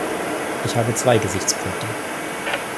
Ich habe zwei Gesichtspunkte.